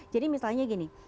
jadi misalnya gini